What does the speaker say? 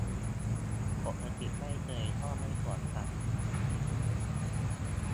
ปกติไม่เคย ก็ไม่ควรทำ